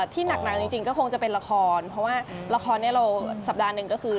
ที่หนักจริงก็คงจะเป็นละครเพราะว่าละครเนี่ยเราสัปดาห์หนึ่งก็คือ